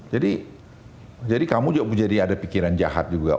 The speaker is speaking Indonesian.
jadi jadi kamu jadi ada pikiran jahat juga